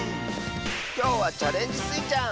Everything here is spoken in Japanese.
きょうは「チャレンジスイちゃん」！